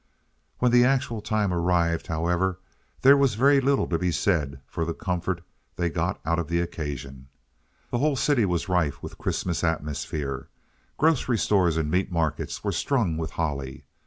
When the actual time arrived, however, there was very little to be said for the comfort that they got out of the occasion. The whole city was rife with Christmas atmosphere. Grocery stores and meat markets were strung with holly.